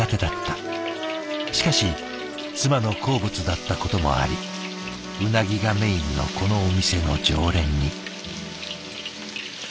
しかし妻の好物だったこともありうなぎがメインのこのお店の常連に。